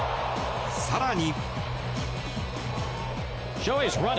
更に。